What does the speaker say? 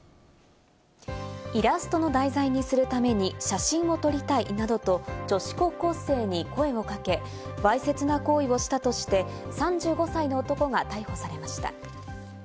イラストの題材にするために写真を撮りたいなどと女子高校生に声をかけ、わいせつな行為をしたとして３５歳の男が逮捕されました。